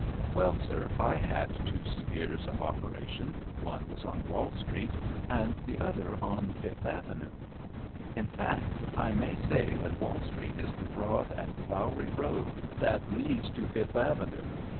Well, sir, I had two spheres of operation, one was on Wall Street, and the other on Fifth Avenue. In fact, I may say that Wall Street is the broad and flowery road that leads to Fifth Avenue.